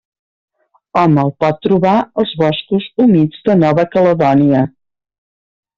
Hom el pot trobar als boscos humits de Nova Caledònia.